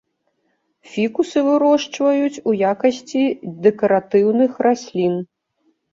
Фікусы вырошчваюць у якасці дэкаратыўных раслін.